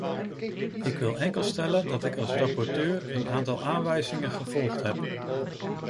Ik wil enkel stellen dat ik als rapporteur een aantal aanwijzingen gevolgd heb.